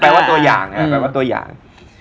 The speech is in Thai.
ไม่ไกลพูดมาตัวอย่าง